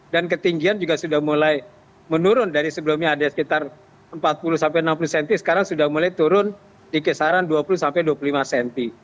dan ketinggian juga sudah mulai menurun dari sebelumnya ada sekitar empat puluh enam puluh cm sekarang sudah mulai turun di kisaran dua puluh dua puluh lima cm